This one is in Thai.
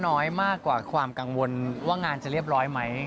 น้อยมากกว่าความกังวลว่างานจะเรียบร้อยไหม